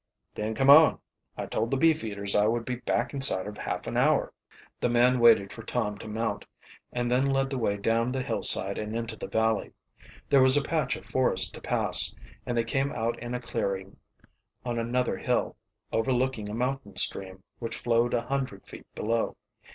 "Then come on. I told the beef eaters I would be back inside of half an hour." The man waited for Tom to mount, and then led the way down the hillside and into the valley. There was a patch of forest to pass, and they came out in a clearing on another hill, overlooking a mountain stream which flowed a hundred feet below.